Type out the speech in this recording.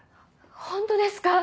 ホントですか？